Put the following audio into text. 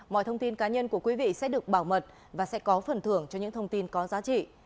mọi thông tin cá nhân của quý vị sẽ được bảo mật và sẽ có phần thưởng cho những thông tin có giá trị